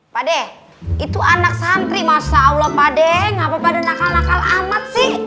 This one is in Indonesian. pade itu anak santri masa allah pade ngapa pada nakal nakal amat sih